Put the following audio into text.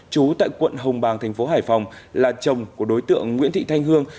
chú tại quận hồng bàng thành phố hải phòng là chồng của đối tượng nguyễn thị thanh hương